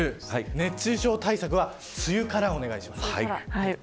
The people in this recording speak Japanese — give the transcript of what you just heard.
熱中症対策は梅雨からお願いします。